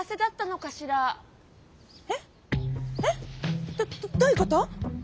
えっどういうこと？